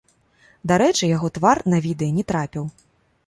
Дарэчы, яго твар на відэа не трапіў.